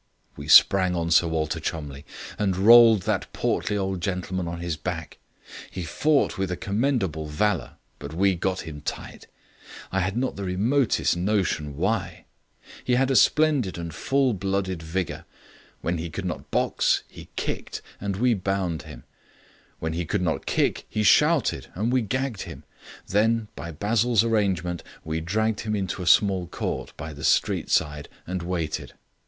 We sprang on Sir Walter Cholmondeliegh, and rolled that portly old gentleman on his back. He fought with a commendable valour, but we got him tight. I had not the remotest notion why. He had a splendid and full blooded vigour; when he could not box he kicked, and we bound him; when he could not kick he shouted, and we gagged him. Then, by Basil's arrangement, we dragged him into a small court by the street side and waited.